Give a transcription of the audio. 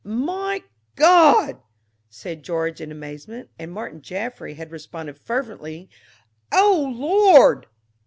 "My God!" said George in amazement, and Martin Jaffry had responded fervently with "O Lord!"